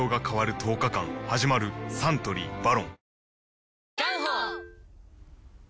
いつもサントリー「ＶＡＲＯＮ」